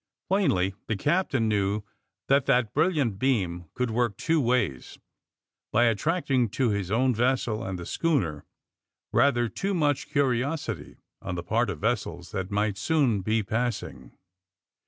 Plainly the captain knew that that brilliant beam could work two ways, by attracting to his own vessel and the schooner rather too mnch cnri osity on the part of vessels that might soon be passing.